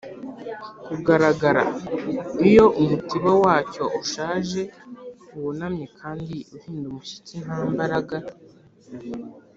kugaragara: iyo umutiba wacyo ushaje wunamye kandi uhinda umushyitsi nta mbaraga